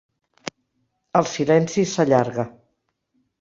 El silenci s'allarga.